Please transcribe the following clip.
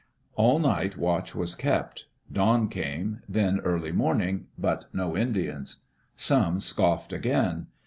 All night watch was kept. Dawn came, then early morning, but no Indians. Some scoffed again.